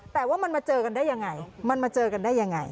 แต่ว่ามันมาเจอกันได้ยังไงมันมาเจอกันได้ยังไง